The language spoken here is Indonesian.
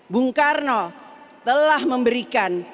bung karno telah memberikan